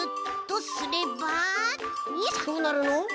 どうなるの？